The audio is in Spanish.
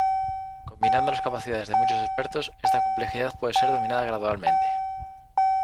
Combinando las capacidades de muchos expertos esta complejidad puede ser dominada gradualmente.